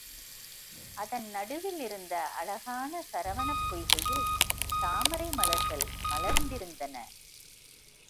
அதன் நடுவில் இருந்த அழகான சரவணப் பொய்கையில் தாமரை மலர்கள் மலர்ந்திருந்தன.